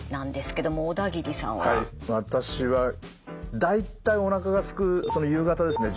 私は大体おなかがすく夕方ですね